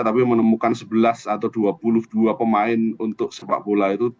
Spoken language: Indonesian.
tapi menemukan sebelas atau dua puluh dua pemain untuk sepak bola itu